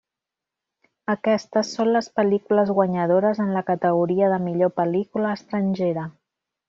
Aquestes són les pel·lícules guanyadores en la categoria de millor pel·lícula estrangera.